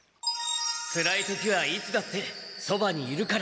つらいときはいつだってそばにいるから。